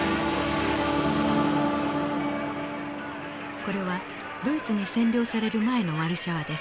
これはドイツに占領される前のワルシャワです。